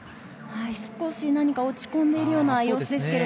少し何か落ち込んでいるような様子です。